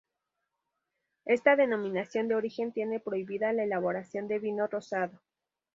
Esta denominación de origen tiene prohibida la elaboración de vino rosado.